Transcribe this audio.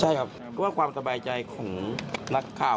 ใช่ครับเพื่อความสบายใจของนักข่าว